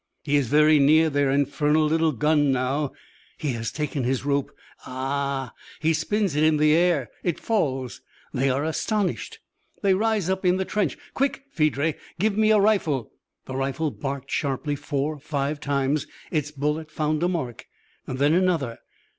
"He is very near their infernal little gun now. He has taken his rope. Ahaaaa! He spins it in the air. It falls. They are astonished. They rise up in the trench. Quick, Phèdre! Give me a rifle." The rifle barked sharply four, five times. Its bullet found a mark. Then another.